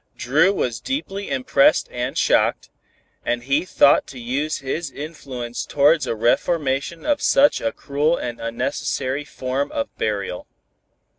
Dru was deeply impressed and shocked, and he thought to use his influence towards a reformation of such a cruel and unnecessary form of burial.